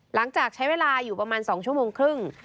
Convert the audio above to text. หลังจากใช้เวลาอยู่ประมาณ๒ชั่วโมงครึ่ง